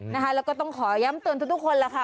แล้วก็ต้องขอย้ำเตือนทุกคนล่ะค่ะ